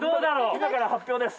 今から発表です。